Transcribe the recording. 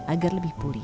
agar lebih pulih